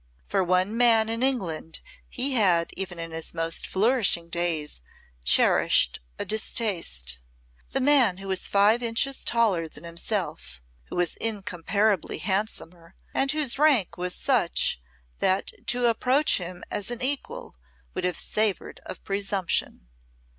For one man in England he had, even in his most flourishing days, cherished a distaste the man who was five inches taller than himself, who was incomparably handsomer, and whose rank was such, that to approach him as an equal would have savoured of presumption.